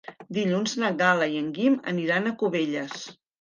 Dilluns na Gal·la i en Guim aniran a Cubelles.